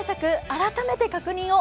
改めて確認を。